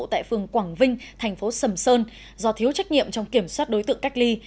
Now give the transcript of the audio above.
tại phường quảng vinh thành phố sầm sơn do thiếu trách nhiệm trong kiểm soát đối tượng cách ly